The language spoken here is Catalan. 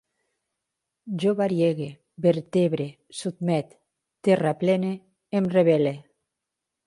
Jo variege, vertebre, sotmet, terraplene, em rebel·le